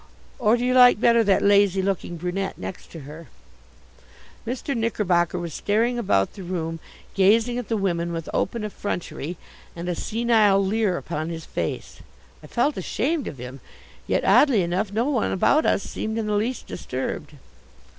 Or do you like better that lazy looking brunette next to her?" Mr. Knickerbocker was staring about the room, gazing at the women with open effrontery, and a senile leer upon his face. I felt ashamed of him. Yet, oddly enough, no one about us seemed in the least disturbed.